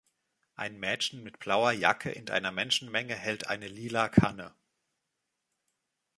Ein Mädchen mit blauer Jacke in einer Menschenmenge hält eine lila Kanne